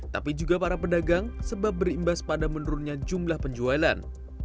tapi juga para pedagang sebab berimbas pada menurunnya jumlah penjualan